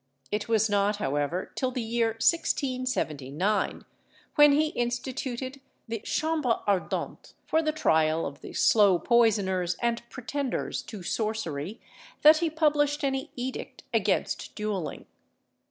It was not, however, till the year 1679, when he instituted the "Chambre Ardente," for the trial of the slow poisoners and pretenders to sorcery, that he published any edict against duelling.